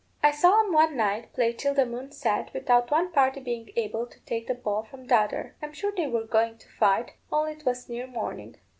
I saw 'em one night play till the moon set, without one party being able to take the ball from th' other. I'm sure they were going to fight, only 'twas near morning.